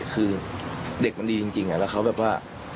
คือเด็กมันดีจริงแล้วเขาแบบว่า